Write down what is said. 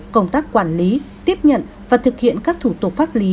công tác quản lý tiếp nhận và thực hiện các thủ tục pháp lý